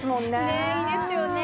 ねえいいですよね。